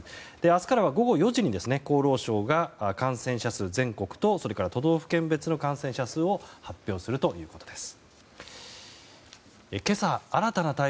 明日からは午後４時に厚労省が感染者数の全国と都道府県別の感染者数を発表するということです。